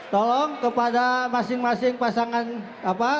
tolong kepada masing masing pasangan apa